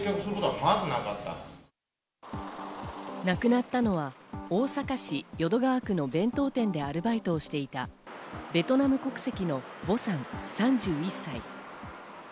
亡くなったのは大阪市淀川区の弁当店でアルバイトをしていたベトナム国籍のヴォさん、３１歳。